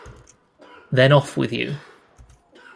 Then off with you.